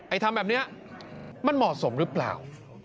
ทำแบบนี้มันเหมาะสมหรือเปล่า